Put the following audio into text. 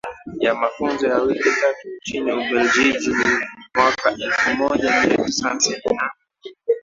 ya mafunzo ya wiki tatu nchini Ubeljiji mwaka elfu moja mia tisa hamsini na